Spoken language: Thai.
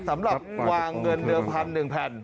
สำหรับวางเงินเนื้อพันธุ์๑แผ่น